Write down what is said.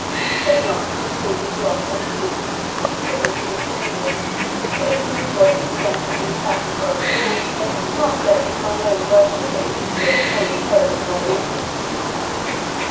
'Say not that the food is lost unto thee which is given to the stranger; for if his body be strengthened and fattened therewithal, not less is thine own worship and good name cherished and augmented.'"